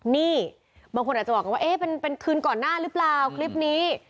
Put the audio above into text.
นี่บางคนอาจจะบอกกันว่าเอ๊ะเป็นคืนก่อนหน้าหรือเปล่าคลิปนี้